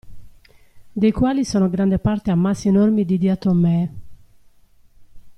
Dei quali sono grande parte ammassi enormi di diatomee.